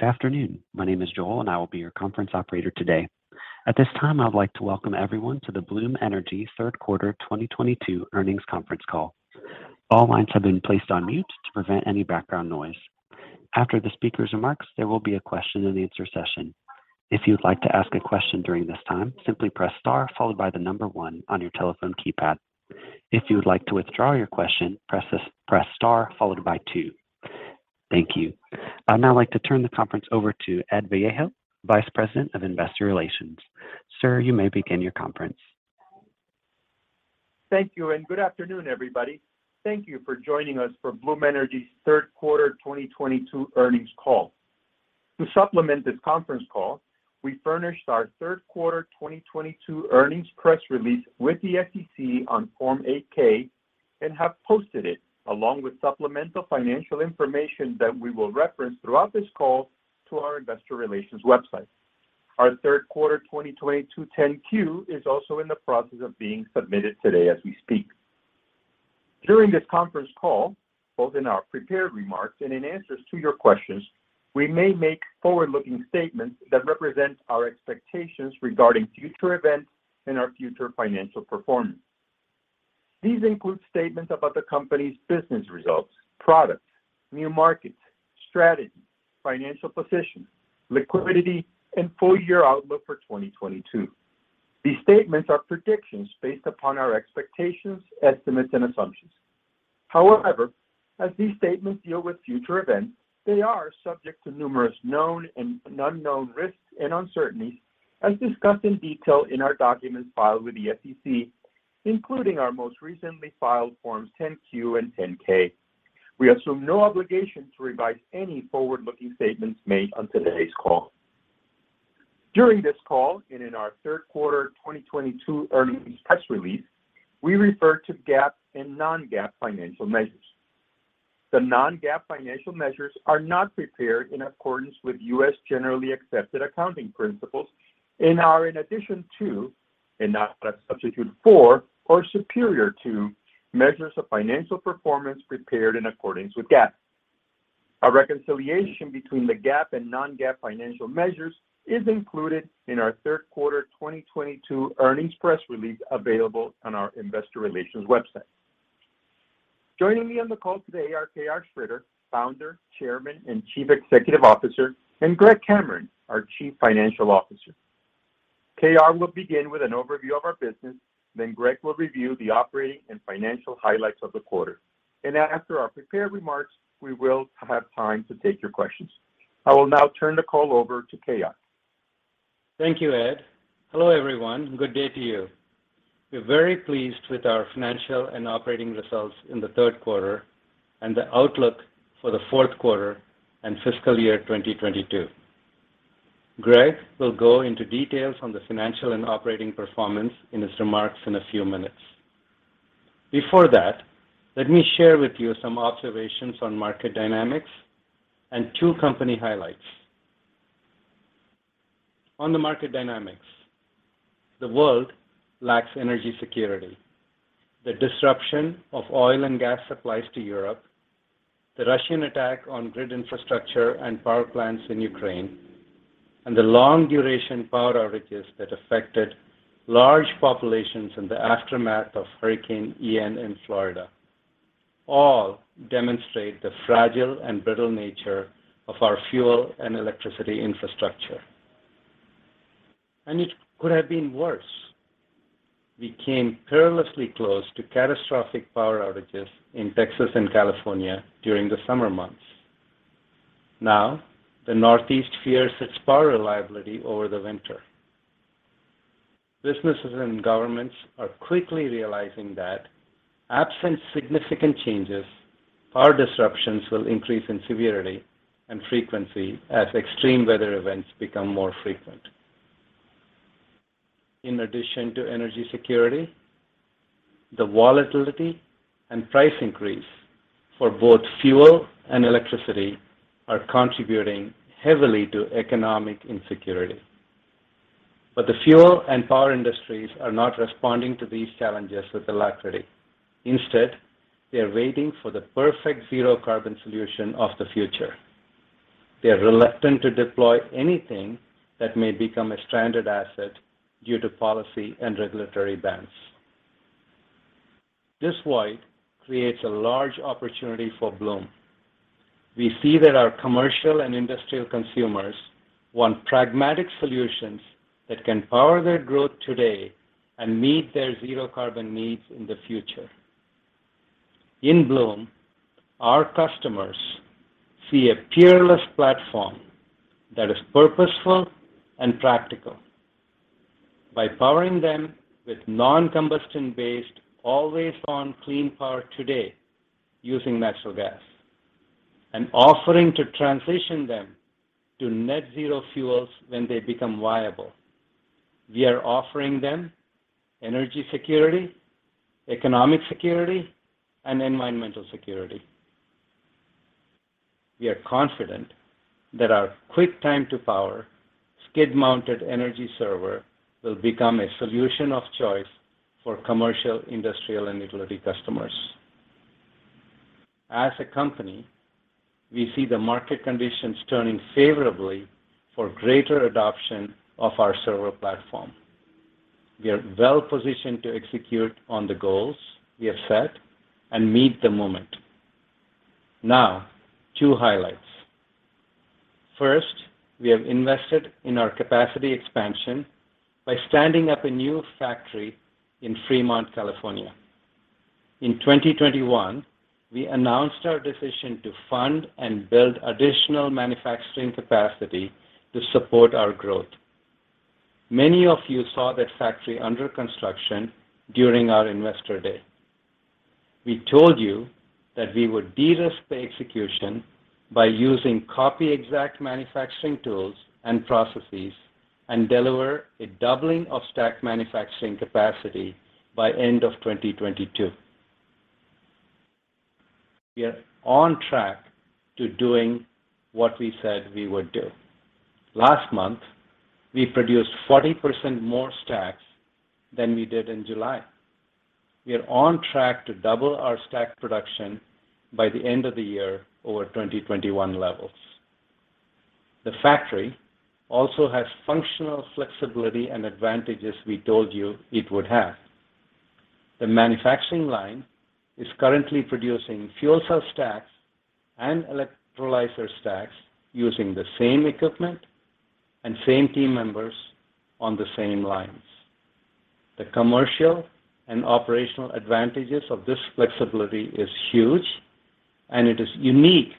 Good afternoon. My name is Joel, and I will be your conference operator today. At this time, I would like to welcome everyone to the Bloom Energy Q3 2022 earnings conference call. All lines have been placed on mute to prevent any background noise. After the speaker's remarks, there will be a question and answer session. If you would like to ask a question during this time, simply press star followed by the number one on your telephone keypad. If you would like to withdraw your question, press star followed by two. Thank you. I'd now like to turn the conference over to Ed Vallejo, Vice President of Investor Relations. Sir, you may begin your conference. Thank you, and good afternoon, everybody. Thank you for joining us for Bloom Energy's Q3 2022 earnings call. To supplement this conference call, we furnished our Q3 2022 earnings press release with the SEC on Form 8-K and have posted it, along with supplemental financial information that we will reference throughout this call to our investor relations website. Our Q3 2022 10-Q is also in the process of being submitted today as we speak. During this conference call, both in our prepared remarks and in answers to your questions, we may make forward-looking statements that represent our expectations regarding future events and our future financial performance. These include statements about the company's business results, products, new markets, strategy, financial position, liquidity, and full year outlook for 2022. These statements are predictions based upon our expectations, estimates and assumptions. However, as these statements deal with future events, they are subject to numerous known and unknown risks and uncertainties as discussed in detail in our documents filed with the SEC, including our most recently filed Forms 10-Q and 10-K. We assume no obligation to revise any forward-looking statements made on today's call. During this call, and in our Q3 2022 earnings press release, we refer to GAAP and non-GAAP financial measures. The non-GAAP financial measures are not prepared in accordance with U.S. generally accepted accounting principles and are in addition to, and not a substitute for or superior to, measures of financial performance prepared in accordance with GAAP. A reconciliation between the GAAP and non-GAAP financial measures is included in our Q3 2022 earnings press release available on our investor relations website. Joining me on the call today are K.R. Sridhar, Founder, Chairman, and Chief Executive Officer, and Greg Cameron, our Chief Financial Officer. K.R. will begin with an overview of our business, then Greg will review the operating and financial highlights of the quarter. After our prepared remarks, we will have time to take your questions. I will now turn the call over to K.R. Thank you, Ed. Hello, everyone, and good day to you. We're very pleased with our financial and operating results in the Q3 and the outlook for the Q4 and fiscal year 2022. Greg will go into details on the financial and operating performance in his remarks in a few minutes. Before that, let me share with you some observations on market dynamics and two company highlights. On the market dynamics, the world lacks energy security. The disruption of oil and gas supplies to Europe, the Russian attack on grid infrastructure and power plants in Ukraine, and the long duration power outages that affected large populations in the aftermath of Hurricane Ian in Florida all demonstrate the fragile and brittle nature of our fuel and electricity infrastructure. It could have been worse. We came perilously close to catastrophic power outages in Texas and California during the summer months. Now, the Northeast fears its power reliability over the winter. Businesses and governments are quickly realizing that absent significant changes, power disruptions will increase in severity and frequency as extreme weather events become more frequent. In addition to energy security, the volatility and price increase for both fuel and electricity are contributing heavily to economic insecurity. The fuel and power industries are not responding to these challenges with alacrity. Instead, they are waiting for the perfect zero carbon solution of the future. They are reluctant to deploy anything that may become a stranded asset due to policy and regulatory events. This void creates a large opportunity for Bloom. We see that our commercial and industrial consumers want pragmatic solutions that can power their growth today and meet their zero carbon needs in the future. In Bloom, our customers see a peerless platform that is purposeful and practical. By powering them with non-combustion based, always on clean power today using natural gas and offering to transition them to net zero fuels when they become viable, we are offering them energy security, economic security, and environmental security. We are confident that our quick time to power skid-mounted energy server will become a solution of choice for commercial, industrial, and utility customers. As a company, we see the market conditions turning favorably for greater adoption of our server platform. We are well positioned to execute on the goals we have set and meet the moment. Now, two highlights. First, we have invested in our capacity expansion by standing up a new factory in Fremont, California. In 2021, we announced our decision to fund and build additional manufacturing capacity to support our growth. Many of you saw that factory under construction during our investor day. We told you that we would de-risk the execution by using copy exact manufacturing tools and processes, and deliver a doubling of stack manufacturing capacity by end of 2022. We are on track to doing what we said we would do. Last month, we produced 40% more stacks than we did in July. We are on track to double our stack production by the end of the year over 2021 levels. The factory also has functional flexibility and advantages we told you it would have. The manufacturing line is currently producing fuel cell stacks and electrolyzer stacks using the same equipment and same team members on the same lines. The commercial and operational advantages of this flexibility is huge, and it is unique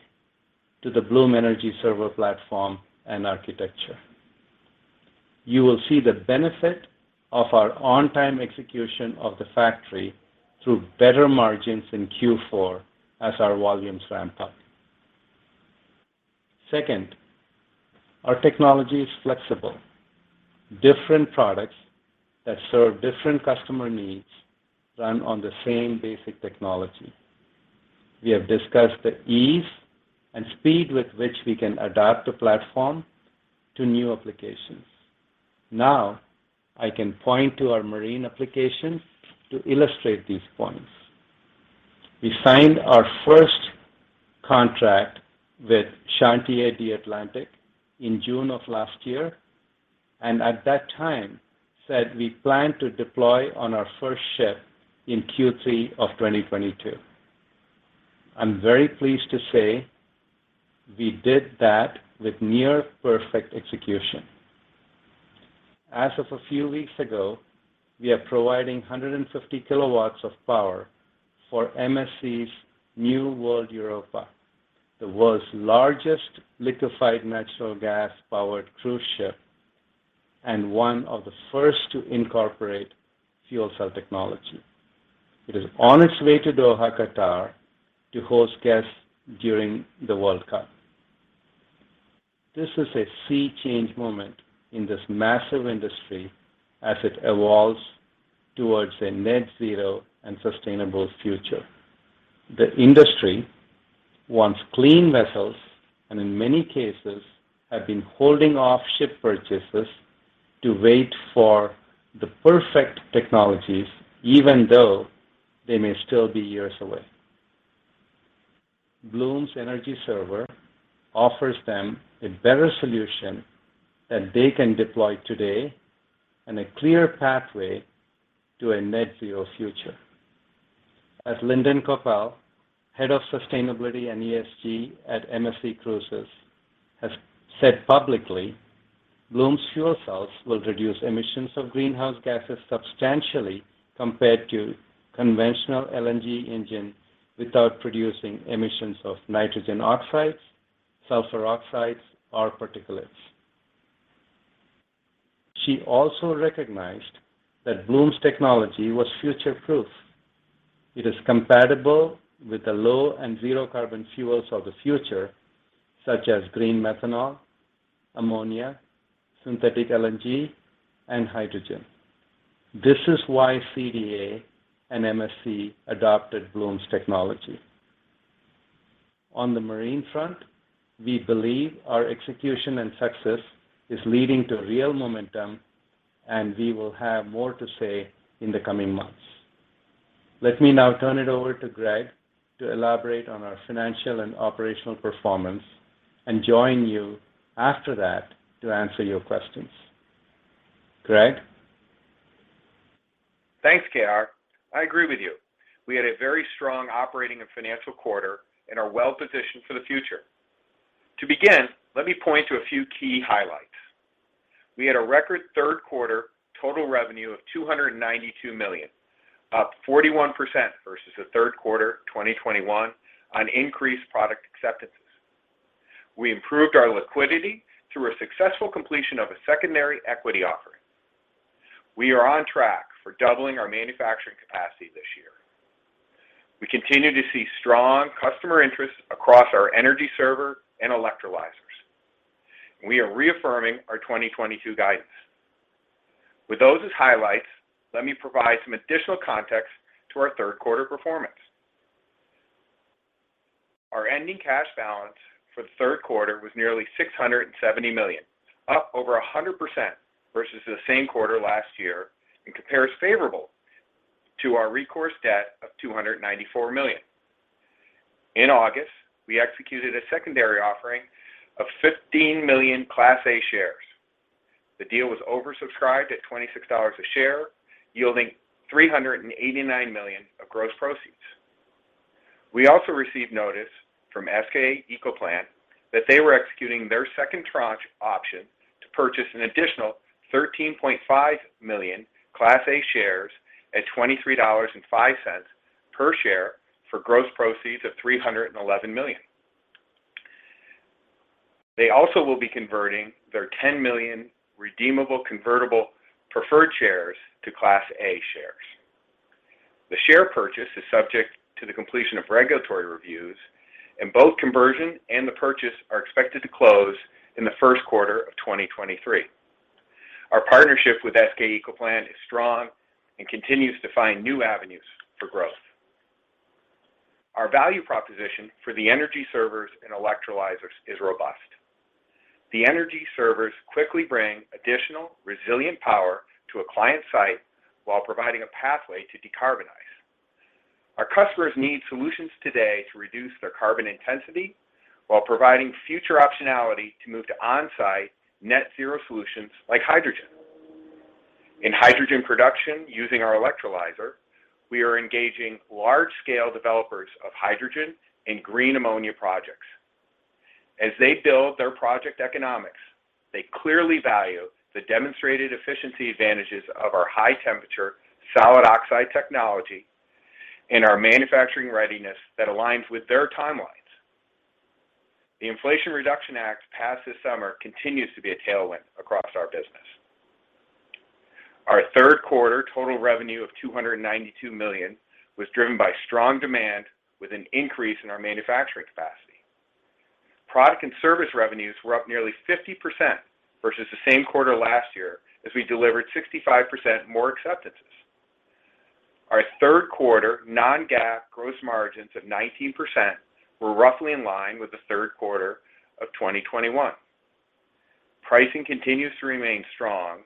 to the Bloom Energy Server platform and architecture. You will see the benefit of our on-time execution of the factory through better margins in Q4 as our volumes ramp up. Second, our technology is flexible. Different products that serve different customer needs run on the same basic technology. We have discussed the ease and speed with which we can adapt a platform to new applications. Now, I can point to our marine applications to illustrate these points. We signed our first contract with Chantiers de l'Atlantique in June of last year, and at that time said we plan to deploy on our first ship in Q3 of 2022. I'm very pleased to say we did that with near perfect execution. As of a few weeks ago, we are providing 150 kilowatts of power for MSC World Europa, the world's largest liquefied natural gas-powered cruise ship, and one of the first to incorporate fuel cell technology. It is on its way to Doha, Qatar to host guests during the World Cup. This is a sea change moment in this massive industry as it evolves towards a net zero and sustainable future. The industry wants clean vessels, and in many cases have been holding off ship purchases to wait for the perfect technologies, even though they may still be years away. Bloom Energy Server offers them a better solution that they can deploy today and a clear pathway to a net zero future. As Linden Coppell, Head of Sustainability and ESG at MSC Cruises, has said publicly, "Bloom's fuel cells will reduce emissions of greenhouse gases substantially compared to conventional LNG engine without producing emissions of nitrogen oxides, sulfur oxides, or particulates." She also recognized that Bloom's technology was future-proof. It is compatible with the low and zero carbon fuels of the future, such as green methanol, ammonia, synthetic LNG, and hydrogen. This is why CdA and MSC adopted Bloom's technology. On the marine front, we believe our execution and success is leading to real momentum, and we will have more to say in the coming months. Let me now turn it over to Greg to elaborate on our financial and operational performance and join you after that to answer your questions. Greg? Thanks, K.R. I agree with you. We had a very strong operating and financial quarter and are well positioned for the future. To begin, let me point to a few key highlights. We had a record Q3 total revenue of $292 million, up 41% versus the Q3 2021 on increased product acceptances. We improved our liquidity through a successful completion of a secondary equity offering. We are on track for doubling our manufacturing capacity this year. We continue to see strong customer interest across our Energy Server and electrolyzers. We are reaffirming our 2022 guidance. With those as highlights, let me provide some additional context to our Q3 performance. Our ending cash balance for the Q3 was nearly $670 million, up over 100% versus the same quarter last year, and compares favorable to our recourse debt of $294 million. In August, we executed a secondary offering of 15 million Class A shares. The deal was oversubscribed at $26 a share, yielding $389 million of gross proceeds. We also received notice from SK ecoplant that they were executing their second tranche option to purchase an additional 13.5 million Class A shares at $23.05 per share for gross proceeds of $311 million. They also will be converting their 10 million redeemable convertible preferred shares to Class A shares. The share purchase is subject to the completion of regulatory reviews, and both conversion and the purchase are expected to close in the Q1 of 2023. Our partnership with SK ecoplant is strong and continues to find new avenues for growth. Our value proposition for the energy servers and electrolyzers is robust. The energy servers quickly bring additional resilient power to a client site while providing a pathway to decarbonize. Our customers need solutions today to reduce their carbon intensity while providing future optionality to move to on-site net zero solutions like hydrogen. In hydrogen production using our electrolyzer, we are engaging large-scale developers of hydrogen and green ammonia projects. As they build their project economics, they clearly value the demonstrated efficiency advantages of our high-temperature solid oxide technology and our manufacturing readiness that aligns with their timelines. The Inflation Reduction Act passed this summer continues to be a tailwind across our business. Our Q3 total revenue of $292 million was driven by strong demand with an increase in our manufacturing capacity. Product and service revenues were up nearly 50% versus the same quarter last year as we delivered 65% more acceptances. Our Q3 non-GAAP gross margins of 19% were roughly in line with the Q3 of 2021. Pricing continues to remain strong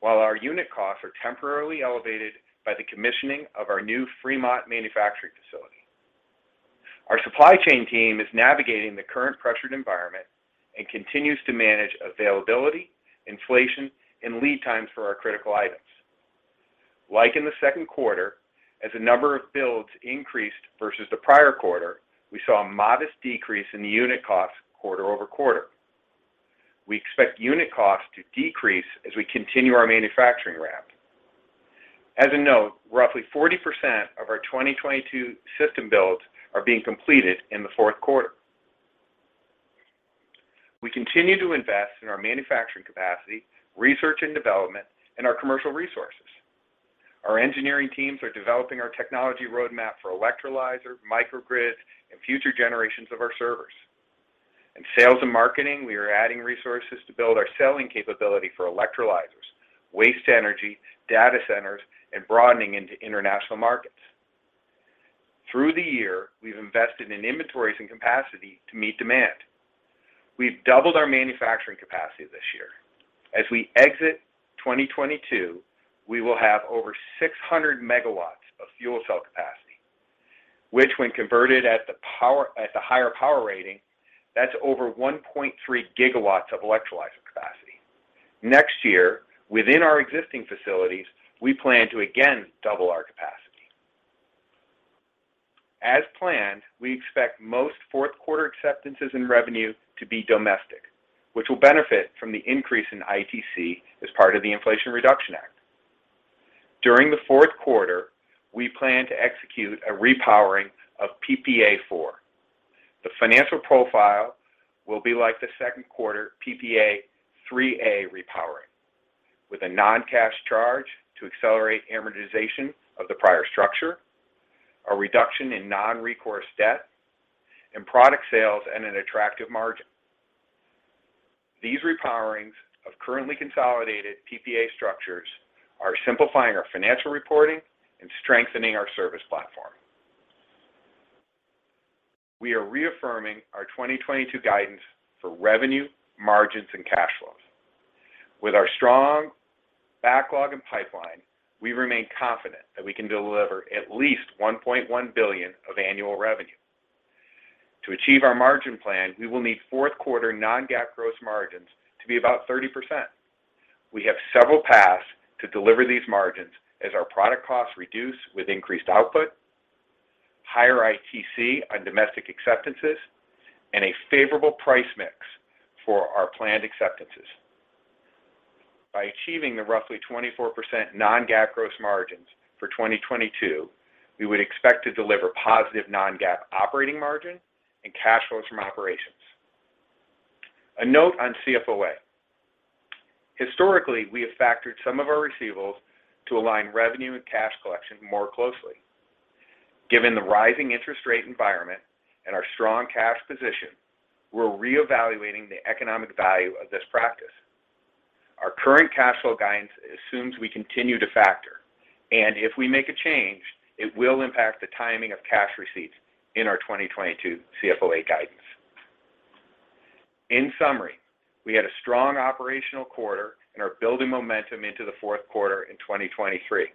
while our unit costs are temporarily elevated by the commissioning of our new Fremont manufacturing facility. Our supply chain team is navigating the current pressured environment and continues to manage availability, inflation, and lead times for our critical items. Like in the Q2, as the number of builds increased versus the prior quarter, we saw a modest decrease in the unit cost quarter over quarter. We expect unit costs to decrease as we continue our manufacturing ramp. As a note, roughly 40% of our 2022 system builds are being completed in the Q4. We continue to invest in our manufacturing capacity, research and development, and our commercial resources. Our engineering teams are developing our technology roadmap for electrolyzer, microgrid, and future generations of our servers. In sales and marketing, we are adding resources to build our selling capability for electrolyzers, waste energy, data centers, and broadening into international markets. Through the year, we've invested in inventories and capacity to meet demand. We've doubled our manufacturing capacity this year. As we exit 2022, we will have over 600 MW of fuel cell capacity, which when converted at the higher power rating, that's over 1.3 GW of electrolyzer capacity. Next year, within our existing facilities, we plan to again double our capacity. As planned, we expect most fourth-quarter acceptances in revenue to be domestic, which will benefit from the increase in ITC as part of the Inflation Reduction Act. During the Q4, we plan to execute a repowering of PPA four. The financial profile will be like the Q2 PPA three A repowering with a non-cash charge to accelerate amortization of the prior structure, a reduction in non-recourse debt, and product sales at an attractive margin. These repowerings of currently consolidated PPA structures are simplifying our financial reporting and strengthening our service platform. We are reaffirming our 2022 guidance for revenue, margins, and cash flows. With our strong backlog and pipeline, we remain confident that we can deliver at least $1.1 billion of annual revenue. To achieve our margin plan, we will need Q4 non-GAAP gross margins to be about 30%. We have several paths to deliver these margins as our product costs reduce with increased output, higher ITC on domestic acceptances, and a favorable price mix for our planned acceptances. By achieving the roughly 24% non-GAAP gross margins for 2022, we would expect to deliver positive non-GAAP operating margin and cash flows from operations. A note on CFOA. Historically, we have factored some of our receivables to align revenue and cash collection more closely. Given the rising interest rate environment and our strong cash position, we're reevaluating the economic value of this practice. Our current cash flow guidance assumes we continue to factor, and if we make a change, it will impact the timing of cash receipts in our 2022 CFOA guidance. In summary, we had a strong operational quarter and are building momentum into the Q4 in 2023.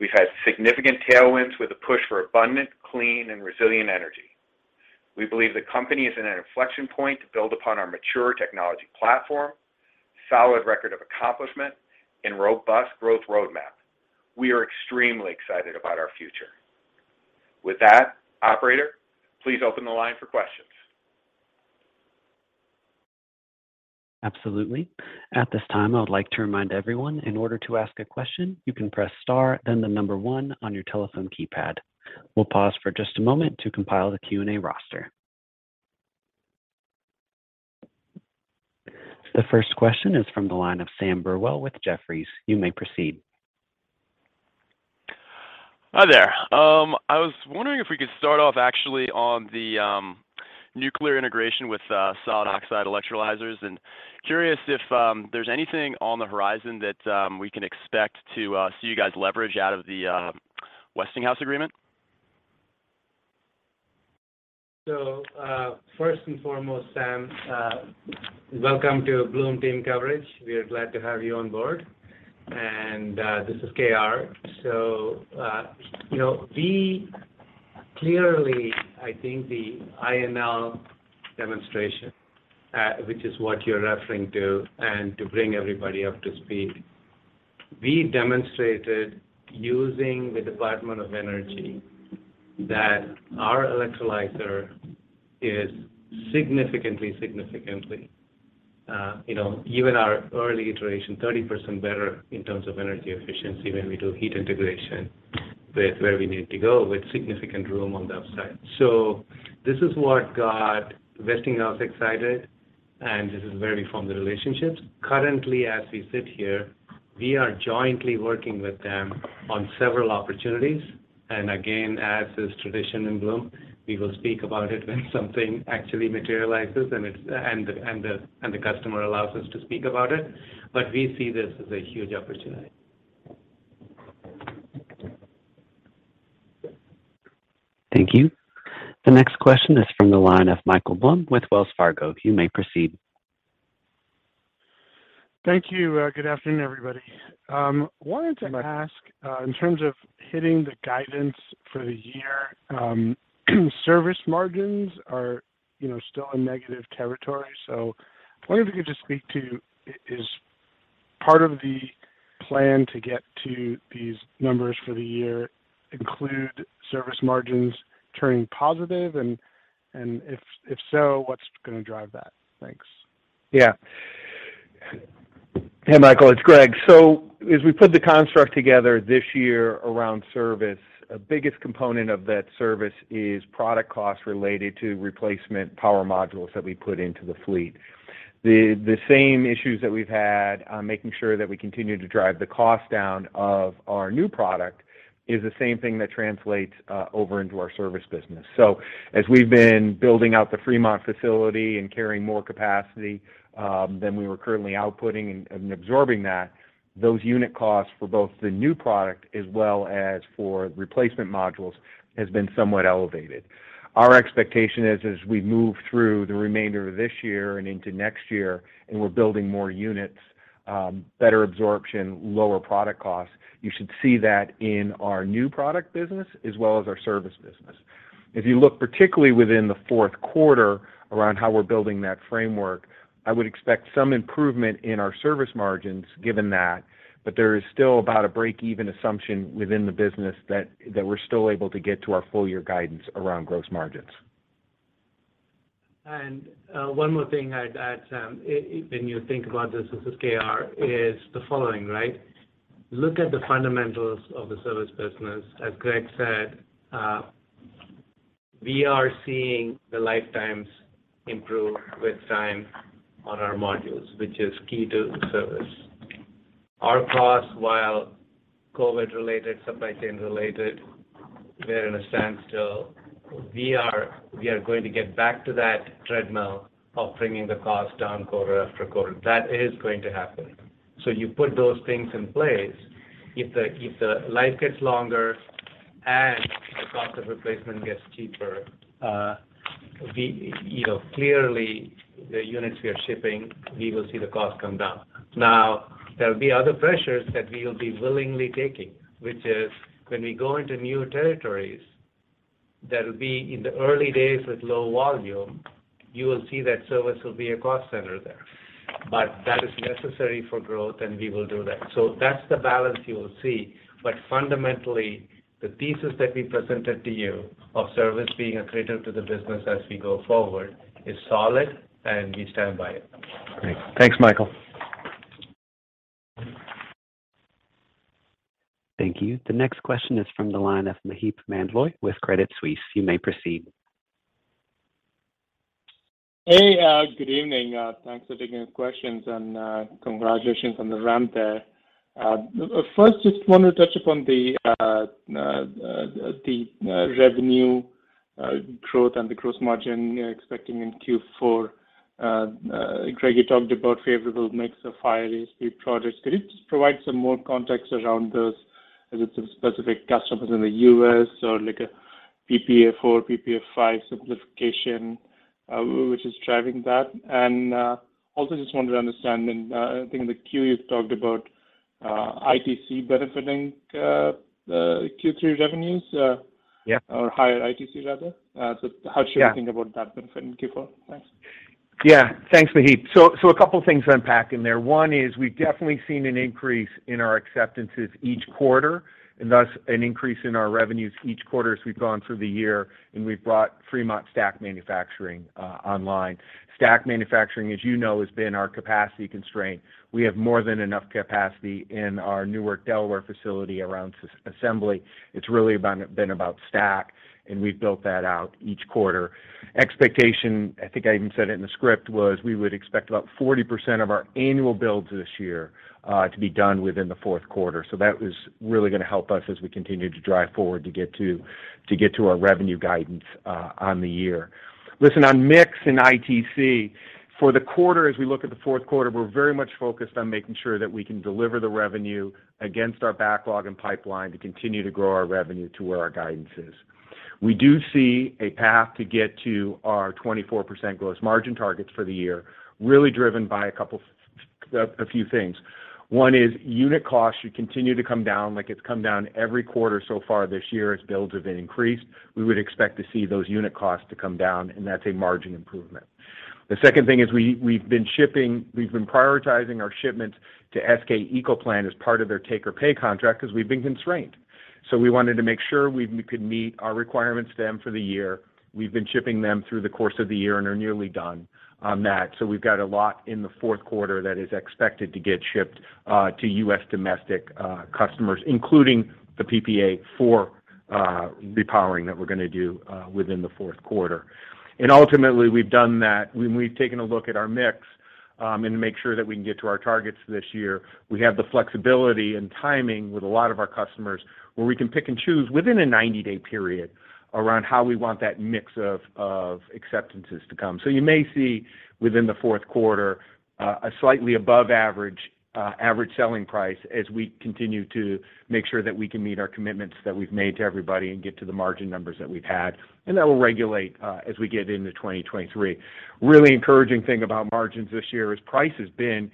We've had significant tailwinds with a push for abundant, clean and resilient energy. We believe the company is in an inflection point to build upon our mature technology platform, solid record of accomplishment, and robust growth roadmap. We are extremely excited about our future. With that, operator, please open the line for questions. Absolutely. At this time, I would like to remind everyone, in order to ask a question, you can press star, then the number one on your telephone keypad. We'll pause for just a moment to compile the Q&A roster. The first question is from the line of Sam Burwell with Jefferies. You may proceed. Hi there. I was wondering if we could start off actually on the nuclear integration with solid oxide electrolyzers, and curious if there's anything on the horizon that we can expect to see you guys leverage out of the Westinghouse agreement. First and foremost, Sam, welcome to Bloom team coverage. We are glad to have you on board. This is K.R. You know, we clearly, I think, the INL demonstration, which is what you're referring to, and to bring everybody up to speed, we demonstrated using the Department of Energy that our electrolyzer is significantly, you know, even our early iteration, 30% better in terms of energy efficiency when we do heat integration with where we need to go with significant room on the upside. This is what got Westinghouse excited, and this is very from the relationships. Currently, as we sit here, we are jointly working with them on several opportunities. Again, as is tradition in Bloom, we will speak about it when something actually materializes and the customer allows us to speak about it. We see this as a huge opportunity. Thank you. The next question is from the line of Michael Blum with Wells Fargo. You may proceed. Thank you. Good afternoon, everybody. Wanted to ask, in terms of hitting the guidance for the year, service margins are, you know, still in negative territory. I wonder if you could just speak to is part of the plan to get to these numbers for the year include service margins turning positive? If so, what's going to drive that? Thanks. Yeah. Hey, Michael, it's Greg. As we put the construct together this year around service, the biggest component of that service is product costs related to replacement power modules that we put into the fleet. The same issues that we've had on making sure that we continue to drive the cost down of our new product is the same thing that translates over into our service business. As we've been building out the Fremont facility and carrying more capacity than we were currently outputting and absorbing that, those unit costs for both the new product as well as for replacement modules has been somewhat elevated. Our expectation is as we move through the remainder of this year and into next year, and we're building more units, better absorption, lower product costs. You should see that in our new product business as well as our service business. If you look particularly within the Q4 around how we're building that framework, I would expect some improvement in our service margins given that. There is still about a breakeven assumption within the business that we're still able to get to our full year guidance around gross margins. One more thing I'd add, Sam, when you think about this is K.R., is the following, right? Look at the fundamentals of the service business. As Greg said, we are seeing the lifetimes improve with time on our modules, which is key to service. Our costs, while COVID related, supply chain related, they're in a standstill. We are going to get back to that treadmill of bringing the cost down quarter after quarter. That is going to happen. You put those things in place. If the life gets longer and the cost of replacement gets cheaper, you know, clearly the units we are shipping, we will see the cost come down. Now, there'll be other pressures that we will be willingly taking, which is when we go into new territories, that will be in the early days with low volume. You will see that service will be a cost center there. That is necessary for growth, and we will do that. That's the balance you will see. Fundamentally, the thesis that we presented to you of service being a creator to the business as we go forward is solid, and we stand by it. Great. Thanks, Michael. Thank you. The next question is from the line of Maheep Mandloi with Credit Suisse. You may proceed. Hey, good evening. Thanks for taking the questions and congratulations on the ramp there. First, just want to touch upon the revenue growth and the gross margin expecting in Q4. Greg, you talked about favorable mix of fuel ASP projects. Could you just provide some more context around those? Is it some specific customers in the U.S. or like a PPA four, PPA five simplification, which is driving that? Also just wanted to understand, and I think in the queue you've talked about ITC benefiting the Q3 revenues. Yeah Or higher ITC rather. How should we think about that benefiting Q4? Thanks. Yeah. Thanks, Maheep. A couple things to unpack in there. One is we've definitely seen an increase in our acceptances each quarter, and thus an increase in our revenues each quarter as we've gone through the year, and we've brought Fremont stack manufacturing online. Stack manufacturing, as you know, has been our capacity constraint. We have more than enough capacity in our Newark, Delaware facility around system assembly. It's really been about stack, and we've built that out each quarter. Expectation, I think I even said it in the script, was we would expect about 40% of our annual builds this year to be done within the Q4. That is really gonna help us as we continue to drive forward to get to our revenue guidance on the year. Listen, on mix and ITC, for the quarter, as we look at the Q4, we're very much focused on making sure that we can deliver the revenue against our backlog and pipeline to continue to grow our revenue to where our guidance is. We do see a path to get to our 24% gross margin targets for the year, really driven by a few things. One is unit costs should continue to come down like it's come down every quarter so far this year as builds have been increased. We would expect to see those unit costs to come down, and that's a margin improvement. The second thing is we've been prioritizing our shipments to SK ecoplant as part of their take or pay contract because we've been constrained. We wanted to make sure we could meet our requirements to them for the year. We've been shipping them through the course of the year and are nearly done on that. We've got a lot in the Q4 that is expected to get shipped to U.S. domestic customers, including the PPA for repowering that we're gonna do within the Q4. Ultimately, we've done that. When we've taken a look at our mix and to make sure that we can get to our targets this year, we have the flexibility and timing with a lot of our customers where we can pick and choose within a 90-day period around how we want that mix of acceptances to come. You may see within the Q4 a slightly above average average selling price as we continue to make sure that we can meet our commitments that we've made to everybody and get to the margin numbers that we've had, and that will regulate as we get into 2023. Really encouraging thing about margins this year is price has been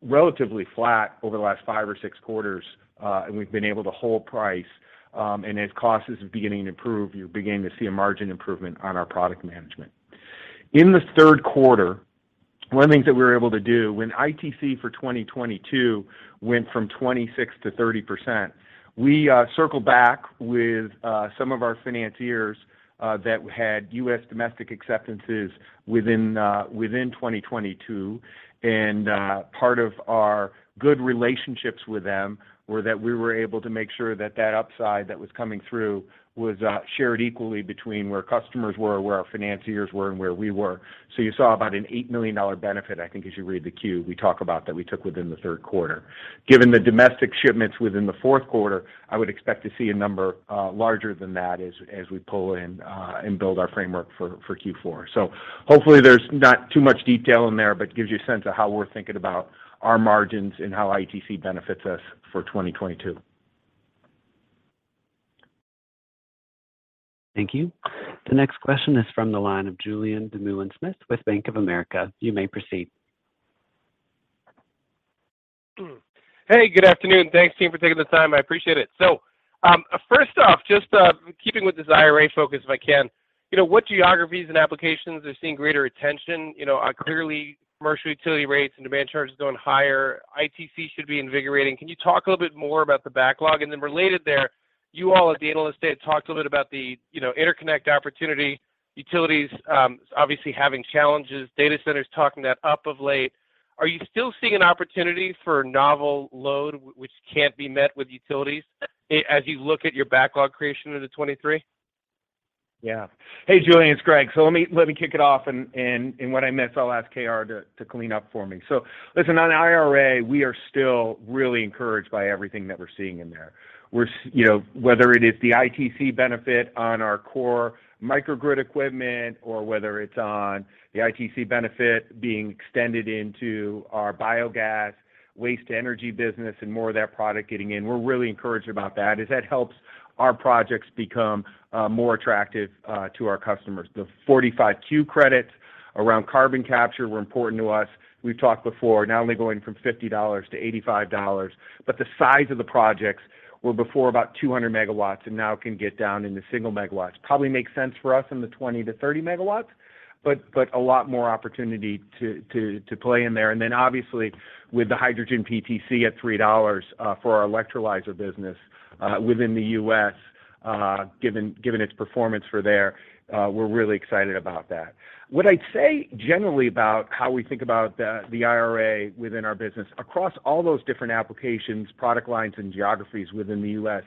relatively flat over the last 5 or 6 quarters, and we've been able to hold price, and as cost is beginning to improve, you're beginning to see a margin improvement on our product management. In the Q3, one of the things that we were able to do when ITC for 2022 went from 26%-30%, we circled back with some of our financiers that had U.S. domestic acceptances within 2022. Part of our good relationships with them were that we were able to make sure that that upside that was coming through was shared equally between where customers were, where our financiers were, and where we were. You saw about an $8 million benefit, I think as you read the Q, we talk about that we took within the Q3. Given the domestic shipments within the Q4, I would expect to see a number larger than that as we pull in and build our framework for Q4. Hopefully there's not too much detail in there, but gives you a sense of how we're thinking about our margins and how ITC benefits us for 2022. Thank you. The next question is from the line of Julien Dumoulin-Smith with Bank of America. You may proceed. Hey, good afternoon. Thanks, team, for taking the time. I appreciate it. First off, just keeping with this IRA focus, if I can, you know, what geographies and applications are seeing greater attention? You know, clearly commercial utility rates and demand charges going higher. ITC should be invigorating. Can you talk a little bit more about the backlog? Related there, you all at the analyst day had talked a little bit about the, you know, interconnect opportunity, utilities obviously having challenges, data centers talking that up of late. Are you still seeing an opportunity for novel load which can't be met with utilities as you look at your backlog creation into 2023? Yeah. Hey, Julien, it's Greg. Let me kick it off, and what I miss, I'll ask K.R. to clean up for me. Listen, on IRA, we are still really encouraged by everything that we're seeing in there. We're you know, whether it is the ITC benefit on our core microgrid equipment or whether it's on the ITC benefit being extended into our biogas waste to energy business and more of that product getting in, we're really encouraged about that, as that helps our projects become more attractive to our customers. The 45Q credits around carbon capture were important to us. We've talked before, not only going from $50 to $85, but the size of the projects were before about 200 megawatts and now can get down into single megawatts. Probably makes sense for us in the 20-30 megawatts, but a lot more opportunity to play in there. Obviously with the hydrogen PTC at $3 for our electrolyzer business within the U.S., given its performance for that, we're really excited about that. What I'd say generally about how we think about the IRA within our business, across all those different applications, product lines and geographies within the U.S.,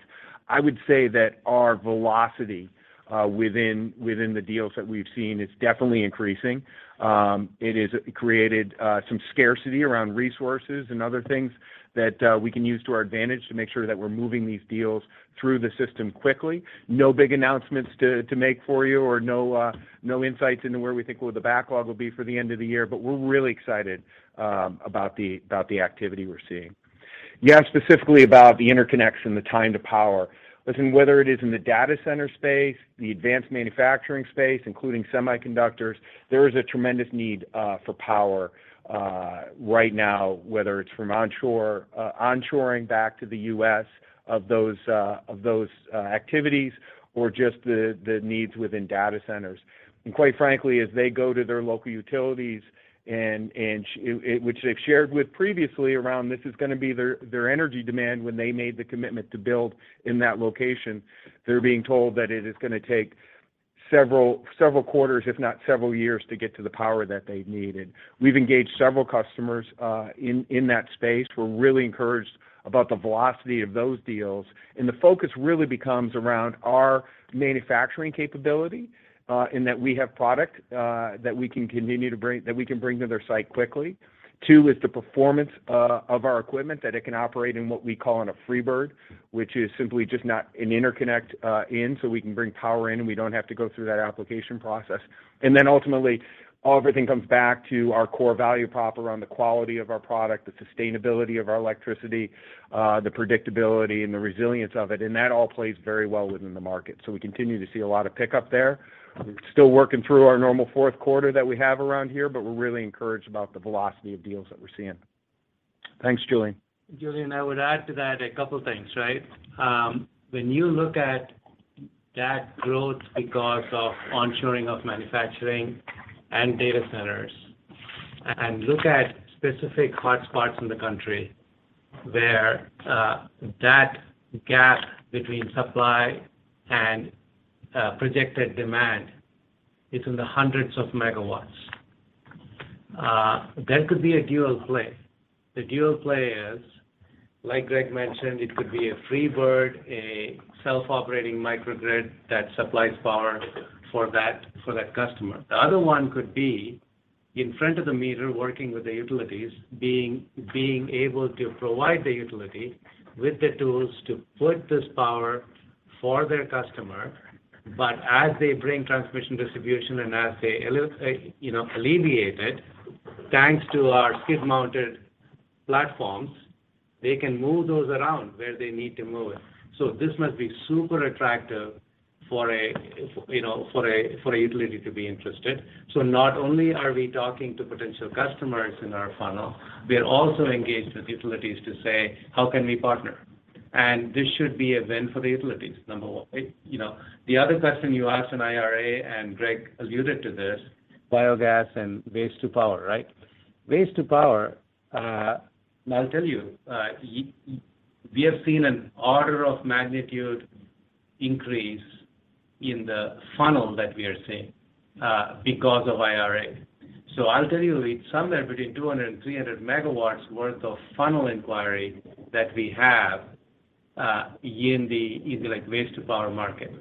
I would say that our velocity within the deals that we've seen is definitely increasing. It has created some scarcity around resources and other things that we can use to our advantage to make sure that we're moving these deals through the system quickly. No big announcements to make for you or no insights into where we think the backlog will be for the end of the year, but we're really excited about the activity we're seeing. You asked specifically about the interconnection, the time to power. Listen, whether it is in the data center space, the advanced manufacturing space, including semiconductors, there is a tremendous need for power right now, whether it's from onshoring back to the US of those activities or just the needs within data centers. Quite frankly, as they go to their local utilities and which they've shared with previously around this is gonna be their energy demand when they made the commitment to build in that location, they're being told that it is gonna take several quarters, if not several years, to get to the power that they've needed. We've engaged several customers in that space. We're really encouraged about the velocity of those deals. The focus really becomes around our manufacturing capability, in that we have product that we can bring to their site quickly. Two is the performance of our equipment, that it can operate in what we call on a freebird, which is simply just not an interconnect in, so we can bring power in, and we don't have to go through that application process. Ultimately, all everything comes back to our core value prop around the quality of our product, the sustainability of our electricity, the predictability and the resilience of it, and that all plays very well within the market. We continue to see a lot of pickup there. Still working through our normal Q4 that we have around here, but we're really encouraged about the velocity of deals that we're seeing. Thanks, Julien Dumoulin-Smith. Julien, I would add to that a couple things, right? When you look at that growth because of onshoring of manufacturing and data centers, and look at specific hot spots in the country where that gap between supply and projected demand is in the hundreds of megawatts, that could be a dual play. The dual play is, like Greg mentioned, it could be a free bird, a self-operating microgrid that supplies power for that customer. The other one could be in front of the meter, working with the utilities, being able to provide the utility with the tools to put this power for their customer. As they bring transmission distribution, and as they alleviate it, thanks to our skid-mounted platforms, they can move those around where they need to move it. This must be super attractive for a utility to be interested. Not only are we talking to potential customers in our funnel, we are also engaged with utilities to say, "How can we partner?" This should be a win for the utilities, number one. The other question you asked on IRA, and Greg alluded to this, biogas and waste-to-power, right? Waste-to-power, and I'll tell you, we have seen an order of magnitude increase in the funnel that we are seeing, because of IRA. I'll tell you, it's somewhere between 200 and 300 megawatts worth of funnel inquiry that we have, in the easy, waste-to-power market.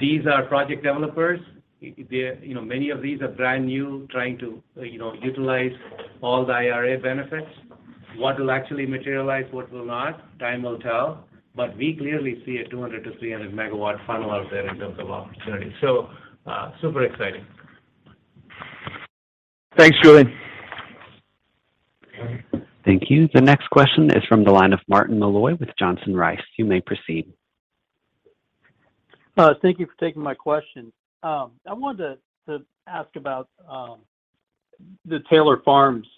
These are project developers. Many of these are brand new, trying to utilize all the IRA benefits. What will actually materialize, what will not, time will tell, but we clearly see a 200-300 MW funnel out there in terms of opportunity. Super exciting. Thanks, Julien. Thank you. The next question is from the line of Martin Malloy with Johnson Rice. You may proceed. Thank you for taking my question. I wanted to ask about the Taylor Farms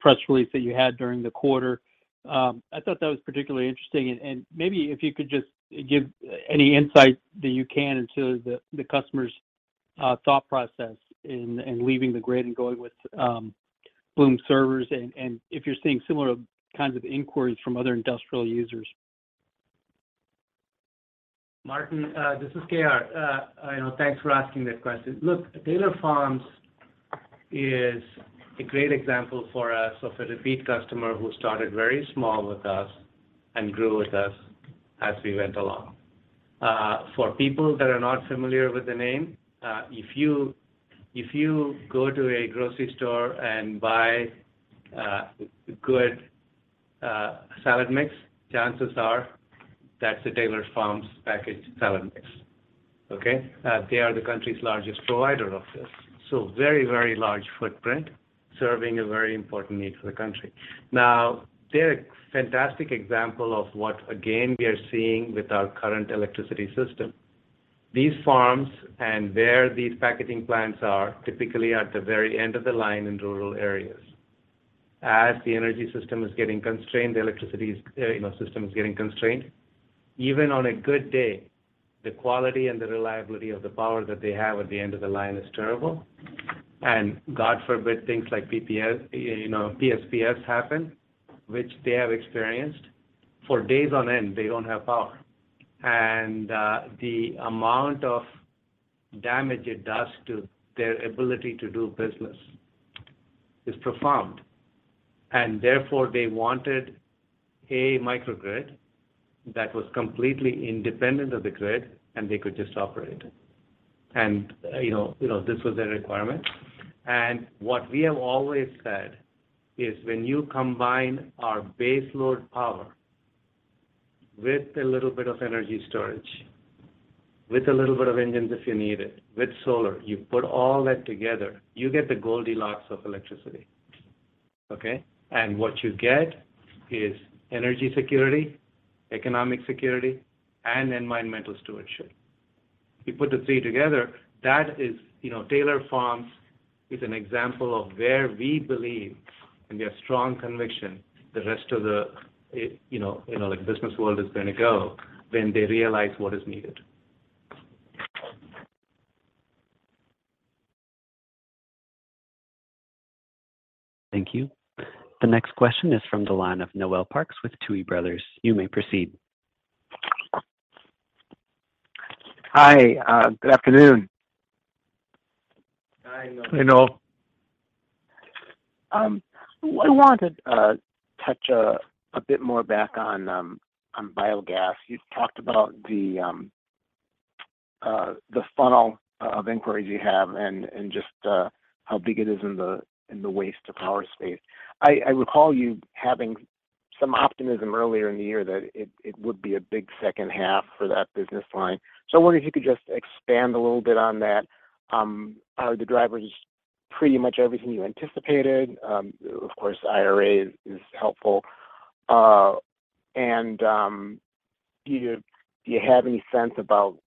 press release that you had during the quarter. I thought that was particularly interesting. Maybe if you could just give any insight that you can into the customer's thought process in leaving the grid and going with Bloom servers, and if you're seeing similar kinds of inquiries from other industrial users. Martin, this is K.R. You know, thanks for asking that question. Look, Taylor Farms is a great example for us of a repeat customer who started very small with us and grew with us as we went along. For people that are not familiar with the name, if you go to a grocery store and buy good salad mix, chances are that's a Taylor Farms packaged salad mix. Okay? They are the country's largest provider of this. So very, very large footprint, serving a very important need for the country. Now, they're a fantastic example of what again we are seeing with our current electricity system. These farms and where these packaging plants are, typically at the very end of the line in rural areas. As the energy system is getting constrained, the electricity, you know, system is getting constrained. Even on a good day, the quality and the reliability of the power that they have at the end of the line is terrible. God forbid, things like PSPS happen, which they have experienced. For days on end, they don't have power. The amount of damage it does to their ability to do business is profound. Therefore, they wanted a microgrid that was completely independent of the grid, and they could just operate. You know, this was a requirement. What we have always said is when you combine our base load power with a little bit of energy storage, with a little bit of engines if you need it, with solar, you put all that together, you get the Goldilocks of electricity, okay? What you get is energy security, economic security, and environmental stewardship. You put the three together, that is, you know, Taylor Farms is an example of where we believe, and we have strong conviction, the rest of the, you know, like business world is gonna go when they realize what is needed. Thank you. The next question is from the line of Noel Parks with Tuohy Brothers. You may proceed. Hi. Good afternoon. Hi, Noel. Hey, Noel. I wanted to touch a bit more back on biogas. You've talked about the funnel of inquiries you have and just how big it is in the waste-to-power space. I recall you having some optimism earlier in the year that it would be a big second half for that business line. I wonder if you could just expand a little bit on that. Are the drivers pretty much everything you anticipated? Of course, IRA is helpful. Do you have any sense about,